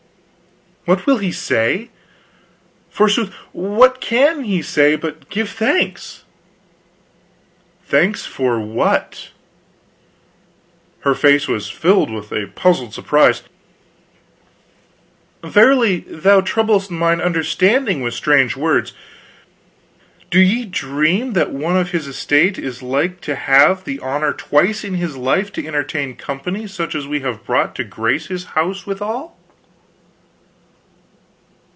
"What will he say? Forsooth what can he say but give thanks?" "Thanks for what?" Her face was filled with a puzzled surprise: "Verily, thou troublest mine understanding with strange words. Do ye dream that one of his estate is like to have the honor twice in his life to entertain company such as we have brought to grace his house withal?"